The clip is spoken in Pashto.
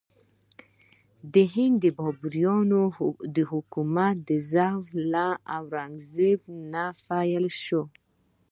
د هند بابریانو د حکومت ضعف له اورنګ زیب نه پیل شو.